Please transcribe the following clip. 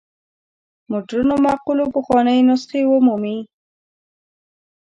مډرنو مقولو پخوانۍ نسخې ومومي.